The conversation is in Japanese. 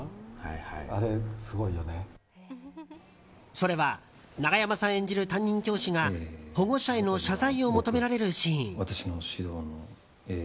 それは永山さん演じる担任教師が保護者への謝罪を求められるシーン。